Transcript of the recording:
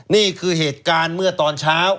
นี่คือเหตุการณ์เมื่อตอนเช้า